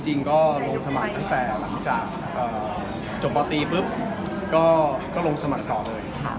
จริงก็ลงสมัครตั้งแต่หลังจากจบปตีปุ๊บก็ลงสมัครต่อเลย